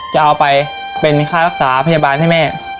จะเอาไปเป็นค่ารักษาพยาบาลให้แม่